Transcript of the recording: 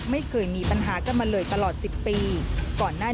มีความรู้สึกว่า